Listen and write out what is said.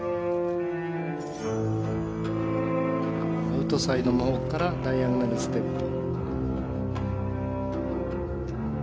アウトサイドモホークからダイアゴナルステップ。